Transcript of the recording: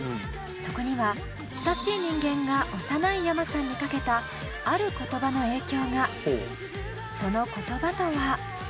そこには親しい人間が幼いｙａｍａさんにかけたある言葉の影響が。